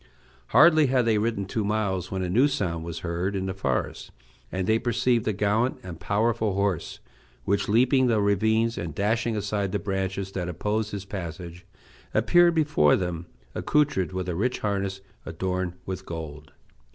Hardly had they ridden two miles when a new sound was heard in the forest, and they perceived a gallant and powerful horse, which, leaping the ravines and dashing aside the branches that opposed his passage, appeared before them, accoutred with a rich harness adorned with gold.